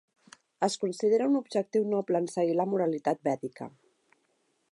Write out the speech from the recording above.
Es considera un objectiu noble en seguir la moralitat vèdica.